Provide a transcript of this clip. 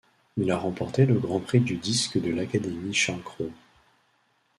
Il a remporté le Grand Prix du Disque de l'Académie Charles-Cros.